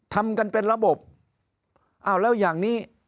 ทำกันเป็นระบบอ้าวแล้วอย่างนี้